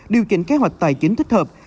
điều chỉnh kế hoạch tài chính thích hợp